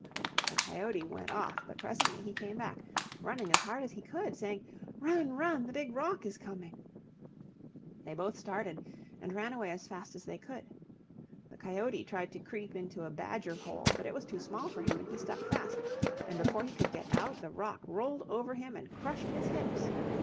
The coyote went off, but presently he came back, running as hard as he could, saying, "Run, run, the big rock is coming." They both started, and ran away as fast as they could. The coyote tried to creep into a badger hole, but it was too small for him and he stuck fast, and before he could get out the rock rolled over him and crushed his hips.